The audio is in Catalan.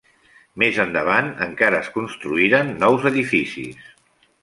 Més endavant encara es construïren nous edificis.